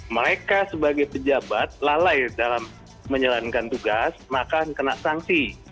mereka sebagai pejabat lalai dalam menjalankan tugas maka kena sanksi